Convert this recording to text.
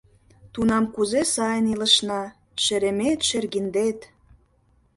Тунам кузе сайын илышна, шеремет-шергиндет...